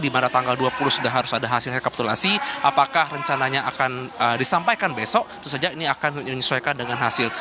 maka rencananya akan disampaikan besok terus saja ini akan disesuaikan dengan hasil